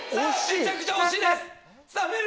めちゃくちゃ惜しい。